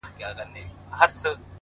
• د مظلوم چیغي چا نه سوای اورېدلای,